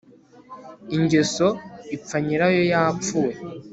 ingeso ipfa nyirayo yapfuye